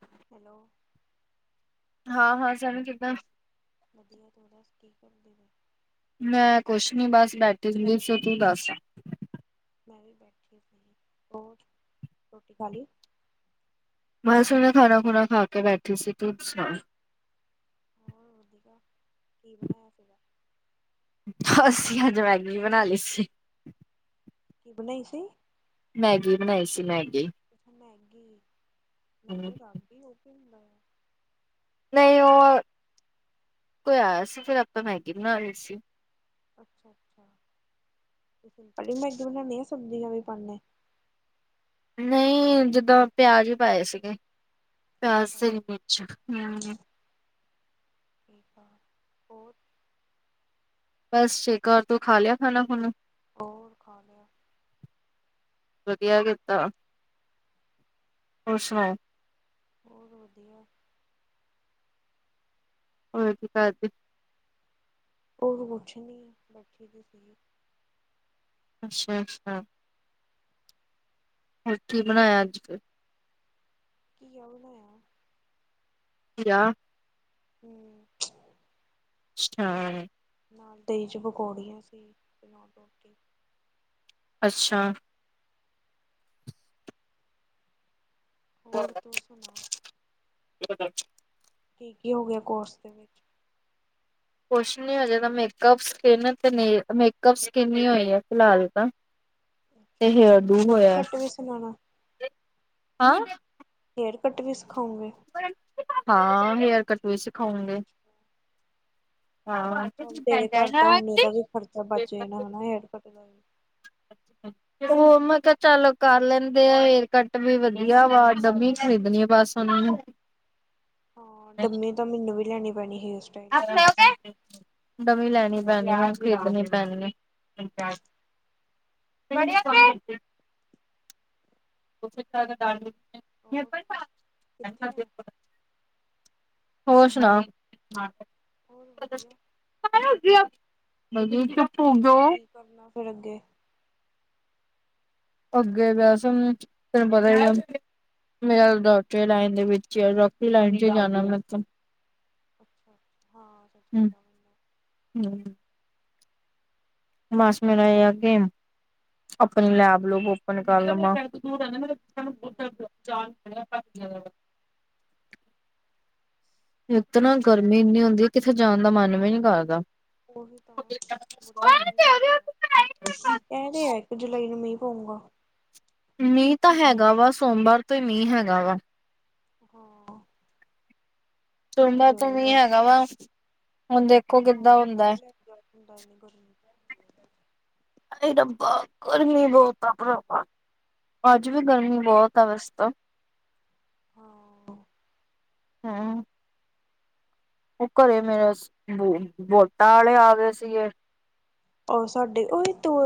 [inaudible] ਹਾਂ ਹਾਂ ਸਭ ਕਿੱਦਾਂ? [inaudible] ''ਮੈਂ ਕੁਛ ਨੀ ਬਸ ਬੈਠੀ ਵੀ ਸੀ, ਤੂੰ ਦੱਸ? ''ਮੈਂ ਵੀ ਬੈਠੀ ਸੀ, ਹੋਰ ਰੋਟੀ ਖਾਲੀ? ਬਸ ਸੁਣੇ ਖਾਣਾ-ਖੁਣਾ ਖਾਕੇ ਬੈਠੀ ਸੀਗੀ, ਛਾ। ਹੋਰ ਕੀ, ਬਣਾਇਆ ਫਿਰ? ਅੱਸੀ ਅੱਜ ਮੈਗੀ ਬਣਾਲੀ ਸੀ। ਕੀ ਬਣਾਈ ਸੀ? ਮੈਗੀ ਬਣਾਈ ਸੀ, ਮੈਗੀ। ਮੈਂਗੀ! ਮੈਂ ਕਿਹਾ, ਰੱਬ ਈ ਉਹ ਵੀ ਹਦਾ ਆ। ਨਹੀਂ, ਉਹ ਕੋਈ ਆਇਆ ਕੋਈ ਆਇਆ ਸੀ, ਫਿਰ ਆਪਾ ਮੈਗੀ ਬਣਾਲੀ ਸੀ। ਅੱਛਾ-ਅੱਛਾ। ਸਿੰਪਲ ਹੀ ਮੈਗੀ ਬਣਾਨੀ ਆ, ਸਬਜ਼ੀਆਂ ਵੀ ਪਾਂਨੇ? ਨਹੀਂ ਜਿੱਦਾਂ ਪਿਆਜ ਹੀ ਪਾਏ ਸੀਗੇ। ਪਿਆਜ ਅੱਛਾ ਤੇ, ਮਿਰਚ। ਠੀਕ ਆ। ਹੋਰ? ਬਸ, ਠੀਕ। ਔਰ ਤੂੰ ਖਾ ਲਿਆ ਖਾਣਾ ਹੁਣ? ਹੋਰ, ਖਾਲਿਆ। ਵਧੀਆ ਕੀਤਾ। ਹੋਰ, ਸੁਣਾਓ? ਹੋਰ ਵਧੀਆ। ਹੋਰ, ਕੀ ਕਰਦੇ? ਉਹ ਕੁਛ ਨੀ, ਬੈਠੀ ਦੀਸੀ ਅੱਛਾ -ਅੱਛਾ। ਫਿਰ, ਕੀ ਬਣਾਇਆ ਅੱਜ ਫਿਰ? ਘੀਆ ਬਣਾਇਆ। ਜਾ [inaudible] ਅੱਛਛਾ। ਨਾਲ ਦਹੀਂ'ਚ ਪਕੌੜੀਆਂ ਸੀ, ਤੇ ਨਾਲ ਰੋਟੀ। ਅੱਛਾ! ਹੋਰ ਅੱਛਾ-ਅੱਛਾ। ਤੂੰ ਸੁਣਾ [inaudible] ਕੀ ਕੀ ਹੋ ਗਿਆ ਕੋਰਸ ਦੇ ਵਿੱਚ ਕੁਛ ਨੀ ਹੋ ਜਾਂਦਾ ਮੇਕਪ ਸਕਿਨ ਤੇ ਨਹੀਂ ਮੇਕਅਪ ਸਕਿਨ ਹੀ ਹੋਈ ਹੈ ਫਿਲਹਾਲ ਤਾਂ ਤੇ ਅੱਛਾ-ਅੱਛਾ, ਡੂ ਹੇਅਰ ਹੋਇਆ ਕੱਟ ਵੀ ਸਣਾਣਾ ਹਾਂ ਹੇਅਰ ਕੱਟ ਵੀ ਸਿਖਾਉਂਗੇ? ਹਾਂ, ਹੇਅਰ ਕੱਟ ਵੀ ਸਿਖਾਓਂਗੇ। ਤੇਰੇ ਘਰ ਤਾਂ, ਹੁਣ ਇਹਦਾ ਵੀ ਖਰਚਾ ਬਚ ਜਾਣਾ ਹੇਅਰ ਕੱਟ ਦਾ। ਹੋਰ, ਮੈਂ ਕਿਹਾ ਚੱਲੋ ਕਰ ਲੈਂਦੇ ਆ, ਹੇਅਰ ਕੱਟ ਵੀ ਵਧੀਆ ਵਾ। ਡਮੀ ਖਰੀਦਣੀ ਆ ਬਸ। ਥੋਨੂੰ ਹਾਂ ਡੰਮੀ ਤਾਂ ਮੈਨੂੰ ਵੀ ਲੈਣੀ ਪੈਣੀ ਹੇਅਰ ਸਟਾਈਲ ਲਈ ਆਪਣੇ ਓਗੇ ਡਮੀ ਲੈਣੀ ਪੈਣੀ, ਖਰੀਦਣੀ ਪੈਣੀ ਐ। [unintelligible] ਹੋਰ, ਕਿੱਥੇਂ ਆ? ਹੋਰ, ਸੁਣਾ? ਹੋਰ ਵਧੀਆ ਹੋਰ ਕੀ [inaudible] ਕਰਨਾ ਫਿਰ ਅੱਗੇ ਅੱਗੇ ਵੈਸੇ, ਤੈਨੂੰ ਪਤਾ ਹੀ ਆ ਮੇਰਾ ਡਾਕਟਰੀ ਲਾਈਨ ਦੇ ਵਿੱਚ ਯਾ ਡਾਕਟਰੀ ਲਾਈਨ'ਚ ਜਾਣਾ ਮੈਂ ਤਾ ਹਾਂ, ਸੱਚ ਪਤਾ ਹੁੰਦਾ। ਮਾਸ ਮੇਰਾ ਆ ਗੇਮ ਆਪਣੀ ਲੈਬ ਨੂੰ ਓਪਨ ਕਰ ਲਵਾਂ ਹੂੰ [inaudible] ਇੱਕ ਤਾਂ ਨਾ ਗਰਮੀ ਇੰਨੀ ਹੁੰਦੀ ਹੈ ਕਿਥੇ ਜਾਣ ਦਾ ਮਨ ਵੀ ਨੀ ਕਰਦਾ ਉਹੀ ਤਾਂ ਬੁਰੀ ਗ ਹੁੰਦੀ ਆ ਕਹਿਦੇ ਹੈ ਕਿ ਜੁਲਾਈ ਨੂੰ ਮਈ ਹੋਊਗਾ ਮੀਂਹ ਤਾਂ ਹੈਗਾ ਵਾ ਸੋਮਵਾਰ ਤੋਂ ਹੀ ਮੀਂਹ ਹੈਗਾ ਵਾ ਹਾ ਚਲੋ ਨਾ ਤਾ ਮੀ ਹੈਗਾ ਵਾ ਹੁਣ ਦੇਖੋ ਕਿੱਦਾਂ ਹੁੰਦਾ ਹੈ [inaudible] ਹਾਏ ਰੱਬਾ! ਗਰਮੀ ਬਹੁਤ ਆ ਭਰਾ। ਜਿਵੇ ਗਰਮੀ ਬਹੁਤ ਆ ਵੈਸੇ ਤਾ। ਹੂੰ। ਹੈ! ਉਹ ਘਰੇ ਮੇਰੇ ਵੋਟਾਂ ਆਲੇ ਆ ਗਏ ਸੀਗੇ। ਉਹ ਸਾਡੇ ਓਏ ਤੂੰ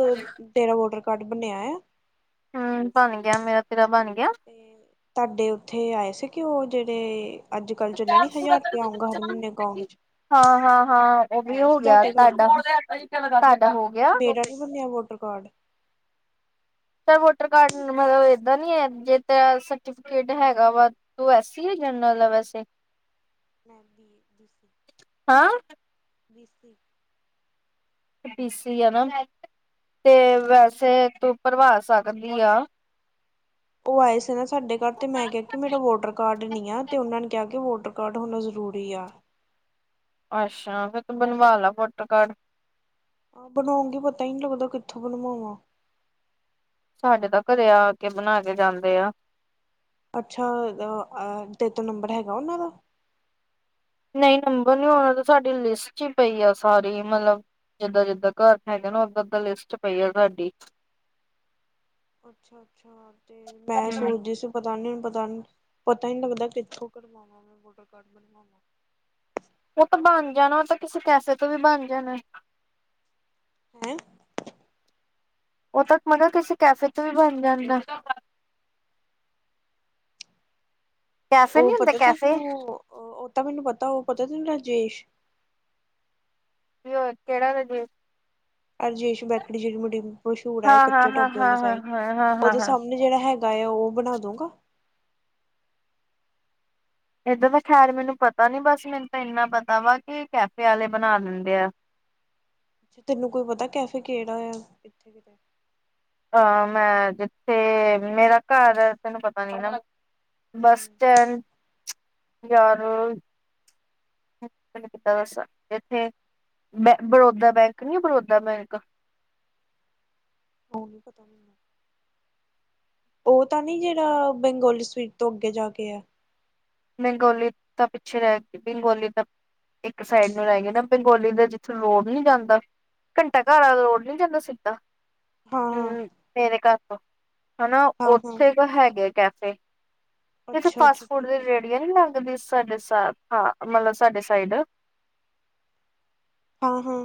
ਤੇਰਾ ਵੋਟਰ ਕਾਰਡ ਬਣਿਆ ਐ? ਹੂੰ ਬਣ ਗਿਆ ਮੇਰਾ ਤੇਰਾ ਬਣ ਗਿਆ? ਤੇ ਠਾਦੇ ਉੱਥੇ ਆਏ ਸੀ ਕਿ ਉਹ ਜਿਹੜੇ ਅੱਜ ਕੱਲ ਚੱਲਿਆ ਨੀ ਹਜ਼ਾਰ ਰੁਪਈਆ ਆਉਂਗਾ ਹਰ ਮਹੀਨੇ ਅਕਾਊਂਟ 'ਚ ਹਾਂ ਹਾਂ ਹਾਂ ਉਹ ਵੀ ਆਇਆ ਹੋ ਸੀ ਗਿਆ ਤੁਹਾਡੇ ਘਰ ਤੁਹਾਡਾ ਤੁਹਾਡਾ ਹੋ ਗਿਆ? ਮੇਰਾ ਨੀ ਬਣਿਆ ਵੋਟਰ ਕਾਰਡ ਵੋਟਰ ਕਾਰਡ ਮਤਲਬ ਏਦਾ ਨੀ ਹੈ ਜੇ ਤੇਰਾ ਸਰਟੀਫਿਕੇਟ ਹੈਗਾ ਵਾ ਤੂੰ ਐਸੀ ਐ ਜਰਨਲ? ਵੈਸੇ! ਮ ਦੀ ਬ ਹਾਂ ਬ [inaudible] ਬੀ ਸੀ ਐ ਮੈਮ। ਤੇ ਵੈਸੇ ਤੂੰ ਭਰਵਾ ਸਕਦੀ ਆ ਉਹ ਆਏ ਸੀ ਨਾ ਸਾਡੇ ਘਰ ਤੇ ਮੈਂ ਕਿਹਾ ਕਿ ਮੇਰਾ ਵੋਟਰ ਕਾਰਡ ਨੀ ਆ ਤੇ ਉਹਨਾ ਨੇ ਕਿਹਾ ਕਿ ਵੋਟਰ ਕਾਰਡ ਹੋਣਾ ਜ਼ਰੂਰ ਰੀ ਆ। ਅੱਛਾ! ਫਿਰ ਤੂੰ ਬਣਵਾ ਲਾ ਵੋਟਰ ਕਾਰਡ। ਹਾ, ਬਣਾਉਗੀ ਪਤਾ ਹੀ ਨੀ ਲੱਗਦਾ ਕਿੱਥੋ ਬਣਵਾਵਾ? ਸਾਡੇ ਤਾ ਘਰੇ ਆ ਕੇ ਬਣਾ ਕੇ ਜਾਂਦੇ ਆ। ਅੱਛਾ ਤੇ ਕੋਲ ਨੰਬਰ ਹੈਗਾ ਉਹਨਾ ਦਾ? ਨਹੀ ਨੰਬਰ ਨੀ ਓਹਨਾ ਤੇ ਸਾਡੀ ਲਿਸਟ ਚ ਈ ਪਈ ਆ ਸਾਰੀ ਮਤਲਬ ਜਿੱਦਾ- ਜਿੱਦਾ ਘਰ ਹੈਗਾ ਨਾ ਓਦਾ- ਓਦਾ ਲਿਸਟ ਪਈ ਆ ਸਾਡੀ। [unintelligible] ਅੱਛਾ ਅੱਛਾ, ਤੇ ਮੈ ਹਮ ਸੋਚਦੀ ਸੀ ਪਤਾ ਨੀ ਪਤਾ ਨੀ ਪਤਾ ਈ ਨੀ ਲੱਗਦਾ ਕਿੱਥੋ ਕਰਵਾਵਾ ਮੈਂ ਵੋਟਰ ਕਾਰਡ ਬਣਵਾਵਾ? ਉਹ ਤਾ ਬਣ ਜਾਣਾ ਉਹ ਤਾ ਕਿਸੇ ਕੈਫੇ ਤੋ ਵੀ ਬਣ ਜਾਣਾ। ਹੈ? ਉਹ ਤਾ ਮੈਂ ਕਿਹਾ ਕਿਸੇ ਕੈਫੇ ਤੋ ਵੀ ਬਣ ਜਾਂਦਾ। ਕੈਫੇ ਨੀ ਉਹ ਹੁੰਦਾ ਪਤਾ ਕੈਫੇ ਤੈਨੂੰ ਉਹ ਤਾ ਮੈਨੂੰ ਪਤਾ ਉਹਤਾ। ਤੈਨੂੰ ਰਾਜੇਸ਼ [inaudible] ਕਿਹੜਾ ਰਜੇਸ਼? ਅਰਜੇਸ਼ ਬੇਕਰੀ ਜਿਹੜੀ ਬੜੀ ਮਸ਼ਹੂਰ ਐ ਹਾਂ ਹਾਂ ਕੱਚੇ ਹਾਂ ਟੋਭੇ ਵਾਲੀ ਹਾਂ ਹਾਂ ਸਾਈਡ, ਹਾਂ ਹਾਂ ਹਾਂ ਉਹਦੇ ਹਾਂ ਸਾਹਮਣੇ ਜਿਹੜਾ ਹੈਗਾ ਗਾ ਆ ਉਹ ਬਣਾ ਦਉਗਾ। ਏਦਾ ਤਾ ਖੈਰ ਮੈਨੂੰ ਪਤਾ ਨੀ ਬਸ ਮੈਨੂੰ ਤਾ ਇੰਨਾ ਪਤਾ ਵਾ ਕਿ ਕੈਫੇ ਆਲੇ ਬਣਾ ਦਿੰਦੇ ਐ। ਤੇ ਤੈਨੂੰ ਕੋਈ ਪਤਾ ਕੈਫੇ ਕਿਹੜਾ ਆ ਇੱਥੇ ਕਿਤੇ? ਅਮ ਮੈਂ ਜਿੱਥੇ ਮੇਰਾ ਘਰ ਤੈਨੂੰ ਪਤਾ ਨੀ ਨਾ, ਬਸ ਹੂੰ ਸਟੈਂਡ ਚ ਯਾਰ। [inaudible] ਇੱਥੇ ਮੈਂ ਬਰੋਦਾ ਬੈਂਕ ਨੀ ਐ ਬਰੋਦਾ ਬੈਂਕ ਉਹ ਨੀ ਪਤਾ ਮੈਨੂੰ [inaudible] ਉਹ ਤਾ ਨੀ ਜਿਹੜਾ ਬੰਗੋਲੀ ਸਵੀਟ ਤੋ ਅੱਗੇ ਜਾ ਕੇ ਐ। ਬੇਗੋਂਲੀ ਤਾ ਪਿੱਛੇ ਰਹਿ ਗਿਆ ਬੇਗੋਂਲੀ ਤਾ ਇੱਕ ਸਾਈਡ ਨੂੰ ਰਹਿ ਗਿਆ ਨਾ ਬਗੋਂਲੀ ਦਾ ਜਿੱਥੇ ਰੋਡ ਨੀ ਜਾਂਦਾ। ਘੰਟਾ ਘਰ ਆਲਾ ਰੋਡ ਨੀ ਜਾਂਦਾ ਸਿੱਧਾ ਹਾਂ ਹੂੰ ਮੇਰੇ ਘਰ ਤੋ ਹਨਾ ਹਾਂ ਹਾਂ ਹਾਂ ਉੱਥੇ ਕ ਹੈਗੇ ਕੈਫੇ ਜਿੱਥੇ ਅੱਛਾ ਫਾਸਟ ਅੱਛਾ ਫੂਡ ਠੀਕ ਦੀ ਹੈ ਰੇਹੜੀਆ ਨੀ ਲਗਦੀ ਸੀ। ਸਾਡੇ ਸਾ ਹਾਂ ਮਤਲਬ ਸਾਡੇ ਸਾਈਡ ਆ ਹਾਂ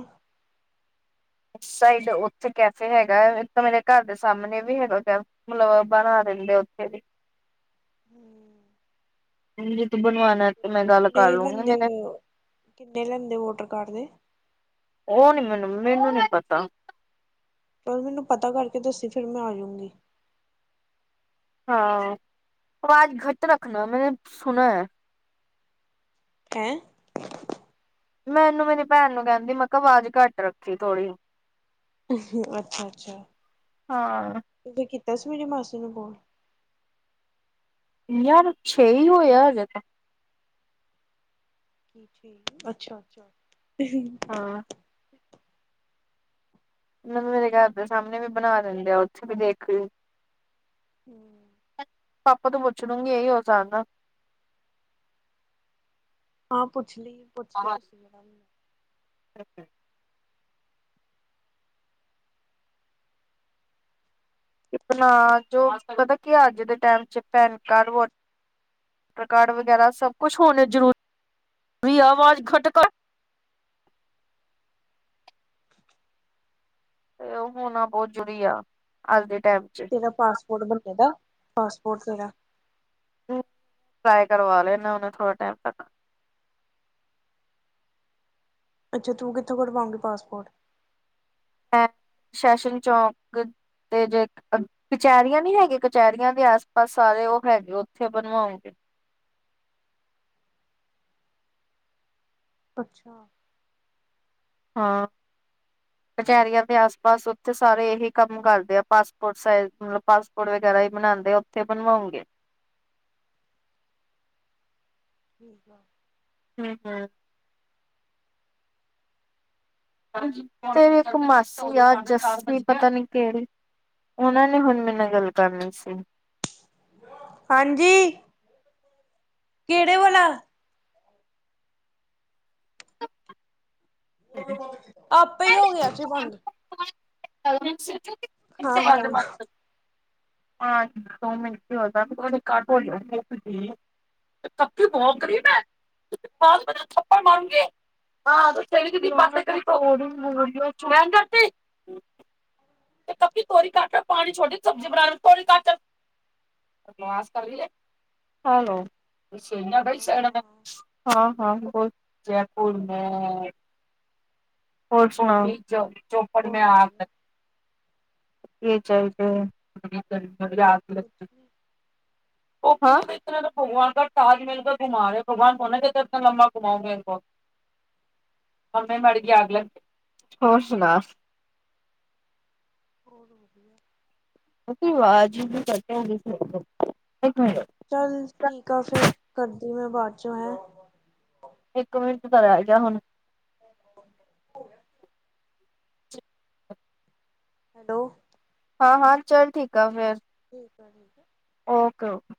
[inaudible] [unintelligible] ਸਾਈਡ ਉੱਥੇ ਕੈਫੇ ਹੈਗਾ ਇੱਕ ਮੇਰੇ ਘਰ ਦੇ ਸਾਹਮਣੇ ਵੀ ਹੈਗਾ ਕ ਮਤਲਬ ਬਣਾ ਦਿੰਦੇ [inaudible] ਵੀ ਜੇ ਤੂੰ ਬਣਵਾਣਾ ਤੇ ਮੈਂ ਗੱਲ ਕਰ ਨੇ ਲੂੰਗੀ ਲਦੇ ਮੇਰੇ ਵ [unintelligible] ਕਿੰਨੇ ਲੈਂਦੇ ਵੋਟਰ ਕਾਰਡ ਦੇ ਉਹ ਨੀ ਮੈਨੂੰ-ਮੈਨੂੰ ਨੀ ਪਤਾ ਚਲ ਮੈਨੂੰ ਪਤਾ ਘਰ ਕੇ ਦੱਸੀ ਫਿਰ ਮੈਂ ਆਜਊਗੀ। ਹਾਂ ਆਵਾਜ਼ ਘਟ ਰੱਖਣਾ ਮੈਂ ਸੁਣਾ ਹੈ। ਹੈਂ ਮੈਨੂੰ ਮੇਰੀ ਭੈਣ ਨੂੰ ਕਹਿੰਦੀ ਮੈਂ ਕਿਹਾ ਆਵਾਜ਼ ਘੱਟ ਰੱਖੀ ਥੋੜ੍ਹੀ ਅੱਛਾ-ਅੱਛਾ ਹਾਂ ਤੁਸੀਂ ਕਿ ਦਸ ਮੇਰੀ ਮਾਸੀ ਨੂੰ ਕੌਣ ਯਾਰ ਛੇ ਹੀ ਹੋਇਆ ਹਜੇ ਤਾਂ ਠੀਕ ਅੱਛਾ-ਅੱਛਾ ਹਾਂ ਮੂੰ ਮੇਰੇ ਘਰ ਦੇ ਸਾਹਮਣੇ ਵੀ ਬਣਾ ਦਿੰਦੇ ਆ ਉੱਥੇ ਵੀ ਦੇਖ ਕੇ ਹੂੰ ਪਾਪਾ ਤੋਂ ਪੁੱਛਣੂਗੀ ਇਹੀ ਹੋ ਸਕਦਾ। ਹਾਂ ਪੁੱਛ ਲਈ ਪੁੱਛ ਕੇ ਦੱਸੀਂ। ਹ ਬਣਾ ਜੋ ਪਤਾ ਕੀ ਅੱਜ ਦੇ ਟਾਈਮ 'ਚ PAN card voter card ਵਗੈਰਾ ਸਭ ਕੁਛ ਹੋਣੇ ਜ਼ਰੂਰੀ-ਜ਼ਰੂਰੀ ਹੈ ਆਵਾਜ਼ ਘਟ ਕਰ। [inaudible] ਤੇ ਉਹ ਹੋਣਾ ਬਹੁਤ ਜ਼ਰੂਰੀ ਆ ਅੱਜ ਦੇ ਟਾਈਮ ਚ ਤੇਰਾ ਪਾਸਪੋਰਟ ਬਣੇ ਦਾ ਪਾਸਪੋਰਟ ਤੇਰਾ ਟਰਾਈ ਕਰਵਾ ਲੈਨਾ ਹੋਨੇ ਥੋੜੇ ਟਾਈਮ ਤਕ ਅੱਛਾ ਤੂੰ ਕਿੱਥੋਂ ਕਢਵਾਉਂਗੀ ਪਾਸਪੋਰਟ ਮੈਂ ਸੈਸ਼ਨ ਚੌਂਕ ਤੇ ਜੇ ਕਚਹਿਰੀਆਂ ਨੀ ਹੈਗ ਕਚਹਿਰੀਆਂ ਦੇ ਆਸ ਪਾਸ ਸਾਰੇ ਉਹ ਹੈਗੇ ਉੱਥੇ ਬਣਵਾਓਗੇ। ਅੱਛਾ ਹਾਂ ਕਚਹਰੀਆਂ ਦੇ ਆਸ ਪਾਸ ਉੱਥੇ ਸਾਰੇ ਇਹੀ ਕੰਮ ਕਰਦੇ ਆ ਪਾਸਪੋਰਟ ਸਜ਼ ਮਤਲਬ ਪਾਸਪੋਰਟ ਵ ਹੀ ਬਣਾਉਂਦੇ ਉੱਥੇ ਬਣਵਾਉਗੇ। ਠੀਕ ਆ। ਹੂੰ-ਹੂੰ ਤੇਰੀ ਇੱਕ ਮਾਸੀ ਆ ਜੱਸੀ ਪਤਾ ਨੀ ਕਿਹੜੀ ਉਨ੍ਹਾਂ ਨੇ ਹੁਣ ਮੇਰੇ ਨਾਲ ਗੱਲ ਕਰਨੀ ਸੀ। ਹਾਂਜੀ ਕਿਹੜੇ ਵਲਾ ਤੁਂ ਕਿਉ ਬੰਦ ਕੀਤਾ ਆਪੇ ਹੋ ਗਿਆ ਜੇ ਬੰਦ [unintelligible] ਦੇ ਹਾਂ ਬੋਲ ਬਂਦ ਹਾਂ ਦੋ ਮਿੰਟ ਹੋ [inaudible] ਕਬ ਕੀ ਬਹੁਤ ਗਰੀਬ ਹੈ ਤੁ ਬਾਤ ਮੇਂ ਨਾ ਥੱਪੜ ਮਾਰੂੰਗੀ [unintelligible] ਤੇ ਕਪੀ ਤੋਰੀ ਘਾਟ ਪਾਣੀ ਛੋਟੀ ਸਬਜ਼ੀ ਬਣਾਣੀ ਤੋਰੀ ਘਾਟ ਬਕਵਾਸ ਕਰ ਲਈ ਹਲੋ ਹੈਲੋ ਬੈਸਣਾ ਹਾਂ ਹਾਂ ਹਾਂ ਹਾਂ ਬ ਜੈਪੁਰ ਨੇੈਂ ਹੋਰ ਸੁਣਾਓ ਚੌਪੜ ਹੋਰ ਮੈਂ ਆ ਵਧੀਆ ਇਹ ਚੱਲਦੇ [unintelligible] ਤਾਜ ਮਹਿਲ ਕੁਛ ਨੀ ਕ ਘੁਮਾ ਰਹੇ ਭਗਵਾਨ ਪਣੇ ਇਨਾ ਲੰਬਾ ਘੁਮਾਓਂਗੇ ਬਹੁਤ ਉਹਮੇ ਮੜਗੇ ਆਲ ਹੋਰ ਸੁਣਾ [unintelligible] ਅਸੀਂ ਆਵਾਜ਼ ਹੀ ਕਟ ਸੀ ਚੱਲ ਠੀਕ ਆ ਫਿਰ ਕਰਦੀ ਮੈਂ ਬਾਅਦ ਚੋਂ ਹੈ ਇੱਕ ਮਿੰਟ ਤਾਂ ਰਹਿ ਗਿਆ ਹੁਣ [inaudible] ਹੈਲੋ ਹਾਂ ਹਾਂ ਚੱਲ ਠੀਕ ਆ ਫਿਰ ਠੀਕ ਹੈ ਓਕੇ ਓਕੇ